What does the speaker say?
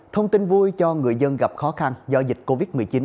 thông tin vui cho người dân gặp khó khăn do dịch covid một mươi chín